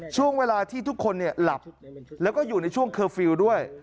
ช่วงเวลาที่ทุกคนหลับแล้วก็อยู่ในช่วงเคอร์ฟิลล์ด้วย